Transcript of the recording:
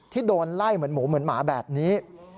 ที่โดนไล่เหมือนหมูเหมือนหมาแบบนี้